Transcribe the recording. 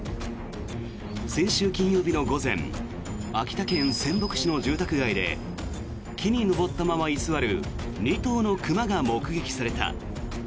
先週金曜日の午前秋田県仙北市の住宅街で木に登ったまま居座る２頭の熊が目撃された。